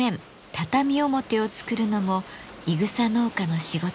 畳表を作るのもいぐさ農家の仕事です。